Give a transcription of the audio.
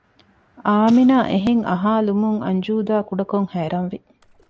އާމިނާ އެހެން އަހާލުމުން އަންޖޫދާ ކުޑަކޮށް ހައިރާންވި